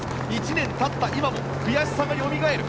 １年たった今も悔しさがよみがえる。